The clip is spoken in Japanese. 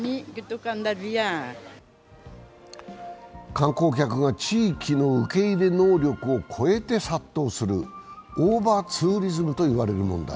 観光客が地域の受け入れ能力を超えて殺到する、オーバーツーリズムという問題。